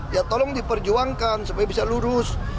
ya tolong diperjuangkan supaya bisa lurus